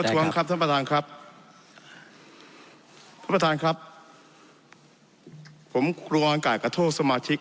ผู้ประท้วงครับท่านประธานครับผู้ประธานครับผมครัวอังกฎกระโทกสมาชิก